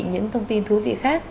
những thông tin thú vị khác